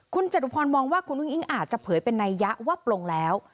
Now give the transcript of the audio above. คุณจตุพรมองว่าคุณอุ้งอิงอาจจะเผยเป็นนัยยะว่าปลงแล้ว